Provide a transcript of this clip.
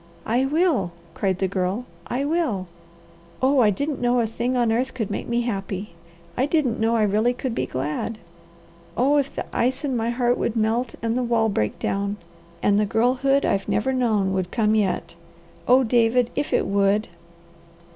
"I will!" cried the Girl. "I will! Oh I didn't know a thing on earth could make me happy! I didn't know I really could be glad. Oh if the ice in my heart would melt, and the wall break down, and the girlhood I've never known would come yet! Oh David, if it would!"